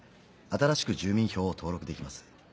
新しく住民票を登録できます。